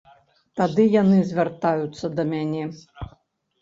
Тады яны звяртаюцца да мяне.